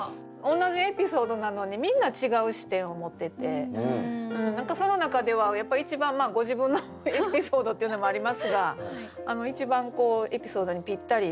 同じエピソードなのにみんな違う視点を持ってて何かその中ではやっぱ一番ご自分のエピソードっていうのもありますが一番エピソードにぴったり。